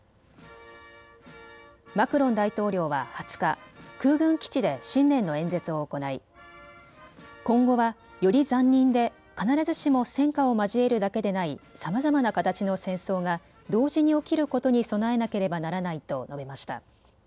マクロン大統領は２０日、空軍基地で新年の演説を行い今後は、より残忍で必ずしも戦火を交えるだけでないさまざまな形の戦争が同時に起きることに備えなければならないと述べました。